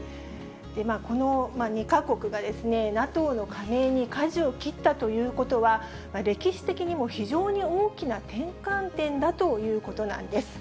この２か国がＮＡＴＯの加盟にかじを切ったということは、歴史的にも非常に大きな転換点だということなんです。